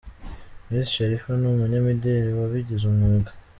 Miss Sharifa ni umunyamideli wabigize umwuga.